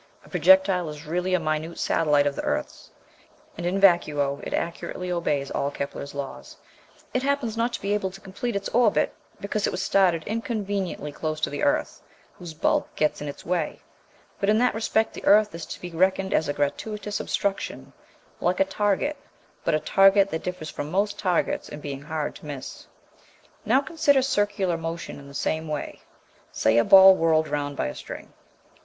A projectile is really a minute satellite of the earth's, and in vacuo it accurately obeys all Kepler's laws. It happens not to be able to complete its orbit, because it was started inconveniently close to the earth, whose bulk gets in its way; but in that respect the earth is to be reckoned as a gratuitous obstruction, like a target, but a target that differs from most targets in being hard to miss. [Illustration: FIG. 58.] Now consider circular motion in the same way, say a ball whirled round by a string. (Fig.